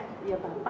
beliau sudah sma